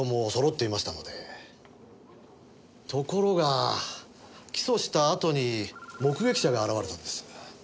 ところが起訴したあとに目撃者が現れたんです。